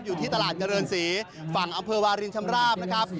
อยู่ที่ตลาดเจริญศรีฝั่งอำเภอวารินชำราบนะครับ